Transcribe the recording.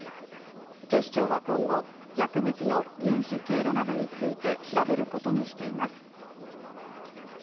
警視庁は今後、薬物の入手経路などについて、調べることにしています。